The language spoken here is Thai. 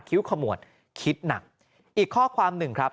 ขมวดคิดหนักอีกข้อความหนึ่งครับ